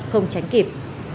không tránh kịp